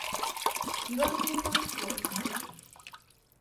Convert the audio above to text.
Qui va fer dos frescs?